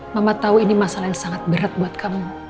mama tahu ini masalah yang sangat berat buat kamu